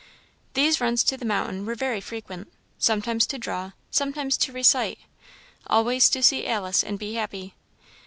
These runs to the mountain were very frequent; sometimes to draw, sometimes to recite, always to see Alice and be happy.